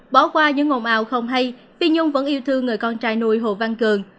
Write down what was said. bỏ qua những ồn ào không hay vi nhung vẫn yêu thương người con trai nuôi hồ văn cường